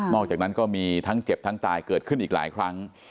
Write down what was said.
อกจากนั้นก็มีทั้งเจ็บทั้งตายเกิดขึ้นอีกหลายครั้ง